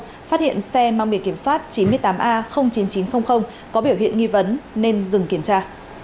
phát hiện xe mang biển kiểm soát chín mươi tám a chín nghìn chín trăm linh có biểu hiện nghi vấn nên dừng kiểm tra